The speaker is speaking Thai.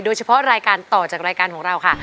โดยเฉพาะรายการต่อจากรายการของเราค่ะ